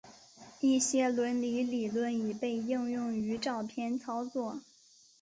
一些伦理理论已被应用于照片操作。